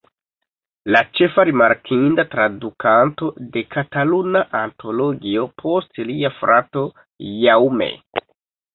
La ĉefa rimarkinda tradukanto de Kataluna Antologio post lia frato Jaume.